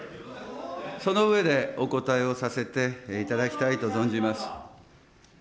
その上でお答えをさせていただきたいと存じます。